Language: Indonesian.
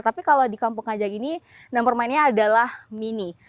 tapi kalau di kampung kajang ini nama permainannya adalah mini